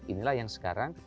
inilah yang sekarang